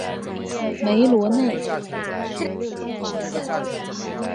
梅罗内。